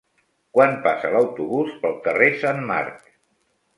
Quan passa l'autobús pel carrer Sant Marc?